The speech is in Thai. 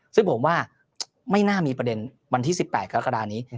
ซึ่งผมว่าไม่น่ามีประเด็นวันที่๑๘กรกฎานี้